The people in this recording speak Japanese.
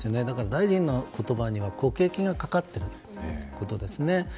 大臣の言葉には国益がかかっているということですね。